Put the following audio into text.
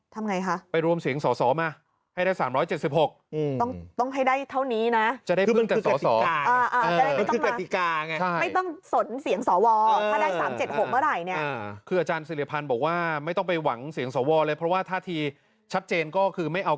ทำอย่างไรคะ